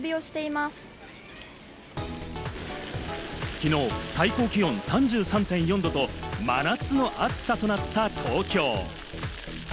きのう最高気温３３．４℃と真夏の暑さとなった東京。